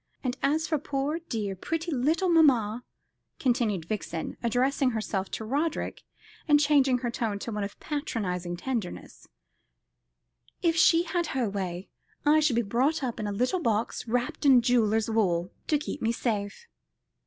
And as for poor dear, pretty little mamma," continued Vixen, addressing herself to Roderick, and changing her tone to one of patronising tenderness, "if she had her way, I should be brought up in a little box wrapped in jeweller's wool, to keep me safe.